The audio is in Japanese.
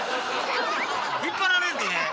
引っ張られんとね。